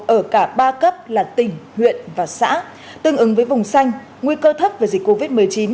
ở cả ba cấp là tỉnh huyện và xã tương ứng với vùng xanh nguy cơ thấp về dịch covid một mươi chín